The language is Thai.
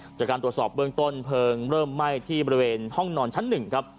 จากการตรวจสอบเบื้องต้นเพลิงเริ่มไหม้ที่บริเวณห้องนอนชั้น๑ครับ